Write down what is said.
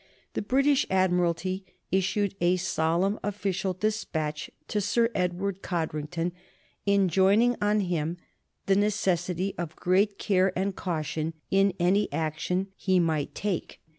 The British Admiralty issued a solemn official despatch to Sir Edward Codrington, enjoining on him the necessity of great care and caution in any action he might take.